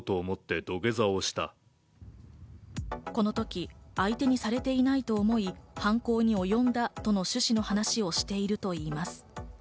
このとき、相手にされていないと思い、犯行におよんだとの趣旨の話をしているといいます。